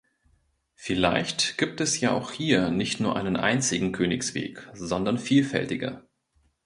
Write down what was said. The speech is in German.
Vielleicht gibt es ja auch hier nicht nur einen einzigen Königsweg, sondern vielfältige.